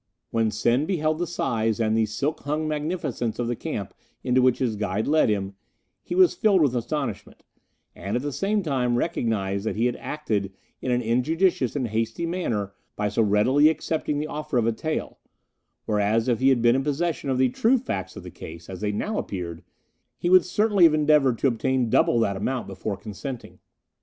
"When Sen beheld the size and the silk hung magnificence of the camp into which his guide led him, he was filled with astonishment, and at the same time recognized that he had acted in an injudicious and hasty manner by so readily accepting the offer of a tael; whereas, if he had been in possession of the true facts of the case, as they now appeared, he would certainly have endeavoured to obtain double that amount before consenting.